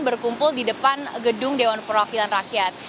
berkumpul di depan gedung dewan perwakilan rakyat